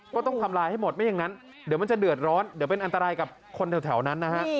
ต้องทำลายให้หมดไม่อย่างนั้นเดี๋ยวมันจะเดือดร้อนเดี๋ยวเป็นอันตรายกับคนแถวนั้นนะฮะ